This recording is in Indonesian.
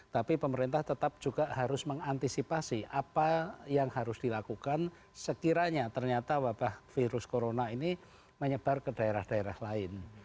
tapi pemerintah tetap juga harus mengantisipasi apa yang harus dilakukan sekiranya ternyata wabah virus corona ini menyebar ke daerah daerah lain